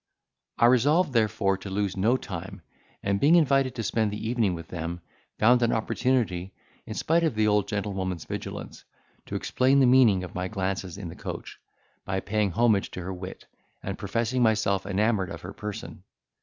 I resolved therefore to lose no time, and, being invited to spend the evening with them, found an opportunity, in spite of the old gentlewoman's vigilance, to explain the meaning of my glances in the coach, by paying homage to her wit, and professing myself enamoured of her person.